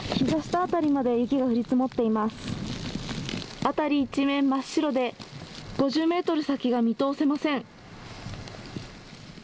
辺り一面、真っ白で５０メートル先が見通せません。